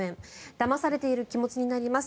だまされている気持ちになります